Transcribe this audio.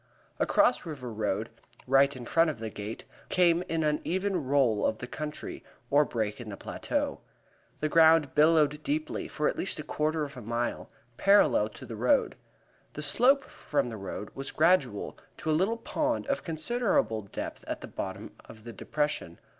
Across River Road, right in front of the gate, came an uneven roll of the country, or break in the plateau. The ground billowed deeply for at least a quarter of a mile, parallel to the road. The slope from the road was gradual to a little pond of considerable depth at the bottom of the depression.